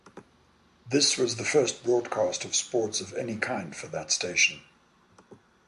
This was the first broadcast of sports of any kind for that station.